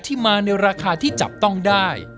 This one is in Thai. ที่มาในราคาที่จับต้องได้